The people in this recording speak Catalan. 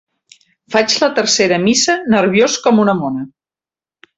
Faig la tercera missa nerviós com una mona.